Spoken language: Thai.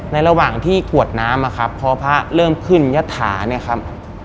ระหว่างที่กวดน้ำอะครับพอพระเริ่มขึ้นยัตถาเนี่ยครับ